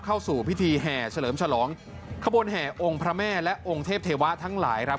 เข้าสู่พิธีแห่เฉลิมฉลองขบวนแห่องค์พระแม่และองค์เทพเทวะทั้งหลายครับ